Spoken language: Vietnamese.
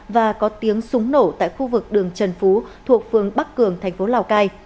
và có tiếng súng nổ tại khu vực đường trần phú thuộc phường bắc cường thành phố lào cai